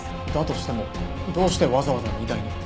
だとしてもどうしてわざわざ荷台に？